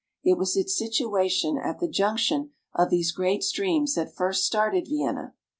It was its situation at the junction of these great streams that first started Vienna.